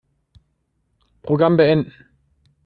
Programm beenden.